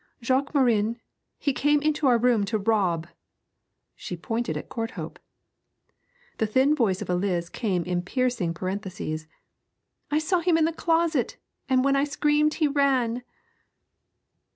'Jacques Morin, he came into our room to rob!' She pointed at Courthope. The thin voice of Eliz came in piercing parenthesis: 'I saw him in the closet, and when I screamed he ran.'